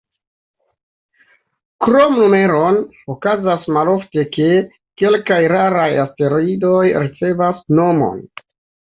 Krom numeron, okazas malofte, ke kelkaj raraj asteroidoj ricevas nomon.